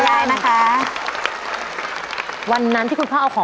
เชิญค่ะคุณแยร่มพื้น